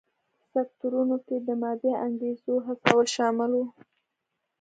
په سکتورونو کې د مادي انګېزو هڅول شامل و.